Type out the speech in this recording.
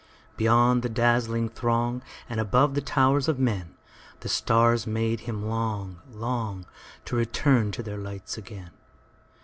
Beyond the dazzling throngAnd above the towers of menThe stars made him long, long, To return to their light again.